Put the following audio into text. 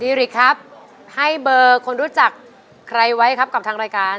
ริกครับให้เบอร์คนรู้จักใครไว้ครับกับทางรายการ